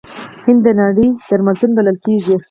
هند د نړۍ درملتون بلل کیږي.